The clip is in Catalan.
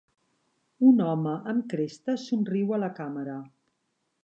Un home amb cresta somriu a la càmera.